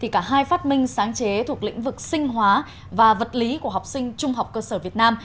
cả hai phát minh sáng chế thuộc lĩnh vực sinh hóa và vật lý của học sinh trung học cơ sở việt nam